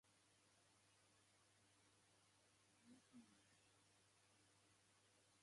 Usually, the fortune teller will group nearby symbols together for a prediction.